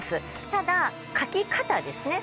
ただ書き方ですね。